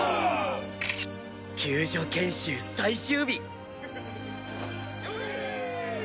救助研修最終日！